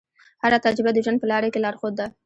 هره تجربه د ژوند په لاره کې لارښود ده.